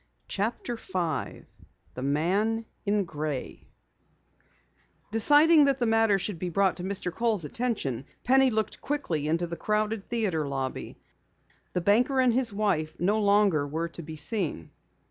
CHAPTER 5 THE MAN IN GRAY Deciding that the matter should be brought to Mr. Kohl's attention, Penny looked quickly into the crowded theatre lobby. The banker and his wife no longer were to be seen.